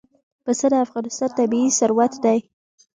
پسه د افغانستان طبعي ثروت دی.